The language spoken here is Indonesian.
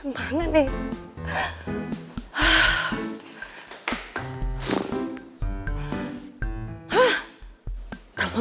masih disarankan wak